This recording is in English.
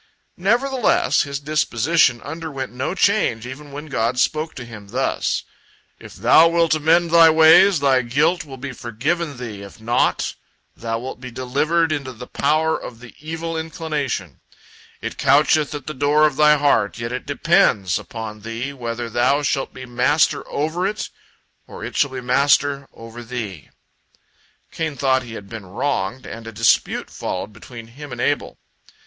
Nevertheless, his disposition underwent no change, even when God spoke to him thus: "If thou wilt amend thy ways, thy guilt will be forgiven thee; if not, thou wilt be delivered into the power of the evil inclination. It coucheth at the door of thy heart, yet it depends upon thee whether thou shalt be master over it, or it shall be master over thee." Cain thought he had been wronged, and a dispute followed between him and Abel.